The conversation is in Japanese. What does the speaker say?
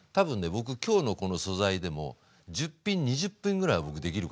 僕今日のこの素材でも１０品２０品ぐらいは僕できるかな。